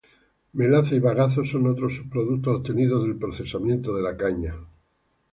Melaza y bagazo son otros subproductos obtenidos del procesamiento de la caña.